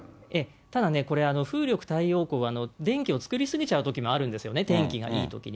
ただね、これ、風力、太陽光は電気を作り過ぎちゃうところがあるんですよね、天気がいいときに。